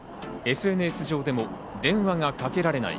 ＳＮＳ上でも、電話がかけられない。